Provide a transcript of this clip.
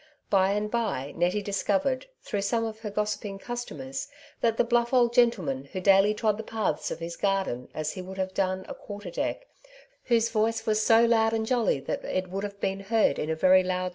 By and by Nettie discovered, through some of her gossiping customers, that the bluff old gentleman who daily trod the paths of his garden as he would have done a quarter deck, whose voice was so loud and jolly that it would have been heard in a very loud Netties Neighbours.